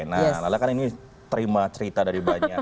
nah karena ini terima cerita dari banyak teman teman